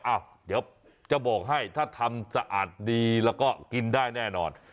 เดี๋ยวจะบอกให้ถ้าทำสะอาดดีแล้วก็กินได้แน่นอน